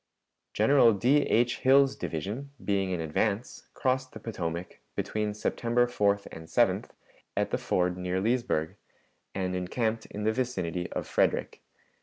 General D. H. Hill's division, being in advance, crossed the Potomac, between September 4th and 7th, at the ford near Leesburg, and encamped in the vicinity of Frederick.